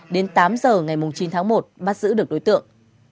đến tám giờ ngày chín tháng một bắt giữ được đối tượng